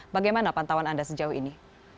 bagaimana pantauan anda sejauh ini